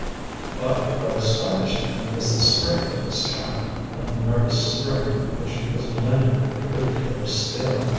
But what astonished him was the strength of this child, a nervous strength which was blended with a good deal of skill.